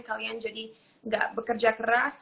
kalian jadi gak bekerja keras